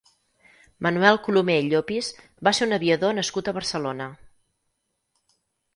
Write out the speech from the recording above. Manuel Colomer i Llopis va ser un aviador nascut a Barcelona.